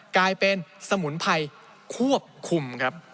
กลายเป็นสมุนไพรควบคุมครับ